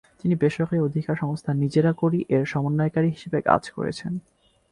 তিনি বেসরকারি অধিকার সংস্থা নিজেরা করি এর সমন্বয়কারী হিসাবে কাজ করেছেন।